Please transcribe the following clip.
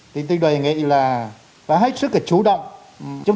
tôi đề nghị là phải hết sức chủ động